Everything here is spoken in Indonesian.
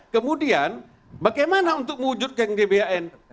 kemudian bagaimana untuk mewujudkan gbhn